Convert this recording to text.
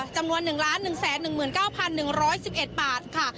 จำนวน๑๑๑๙๑๑๑๑บาทค่ะ